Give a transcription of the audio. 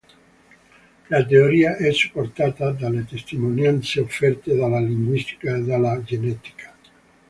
La teoria è supportata dalle testimonianze offerte dalla linguistica e dalla genetica.